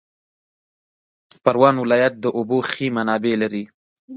پروان ولایت د اوبو ښې منابع لري